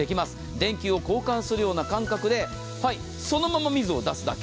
電球を交換するような感覚で、そのまま水を出すだけ。